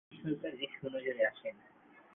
তিনি ব্রিটিশ সরকারের সুনজরে আসেন।